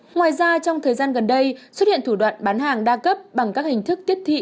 ngoài ra trong thời gian gần đây xuất hiện thủ đoạn bán hàng đa cấp bằng các hình thức tiếp thị